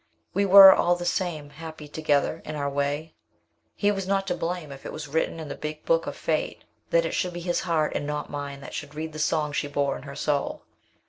We were, all the same, happy together in our way. He was not to blame if it was written in the big book of Fate that it should be his heart, and not mine, that should read the song she bore in her soul.